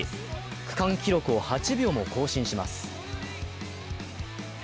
区間記録を８秒も更新します。